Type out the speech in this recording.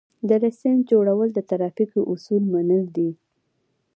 د لېسنس جوړول د ترافیکو اصول منل دي